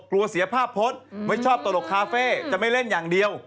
กลัวเสียภาพพจน์ไม่ชอบตลกคาเฟ่จะไม่เล่นอย่างเดียว